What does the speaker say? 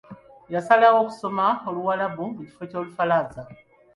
Yasalawo kusoma Luwalabu mu kifo ky'Olufalansa.